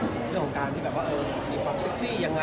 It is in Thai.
เรื่องของการได้ความซี่ขี้มยังไง